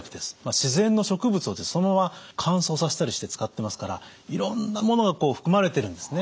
自然の植物をそのまま乾燥させたりして使ってますからいろんなものが含まれてるんですね。